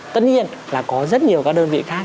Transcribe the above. tất nhiên là có rất nhiều các đơn vị khác